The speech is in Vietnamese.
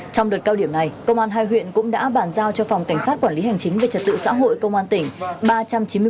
trong đợt cao điểm này công an hai huyện cũng đã bàn giao cho phòng cảnh sát quản lý hành chính về trật tự xã hội công an tỉnh